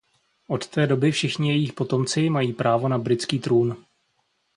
Od té doby všichni její potomci mají právo na britský trůn.